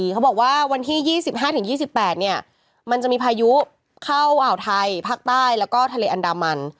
เขาบอกว่าวันที่๒๕๒๘มันจะมีพายุเข้าอ่าวไทยภาคใต้แล้วก็ทะเลอันดามัน